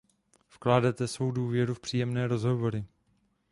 Vkládáte svou důvěru v příjemné rozhovory.